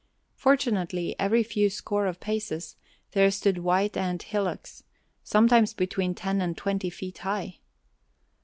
Fortunately every few score of paces there stood white ant hillocks, sometimes between ten and twenty feet high.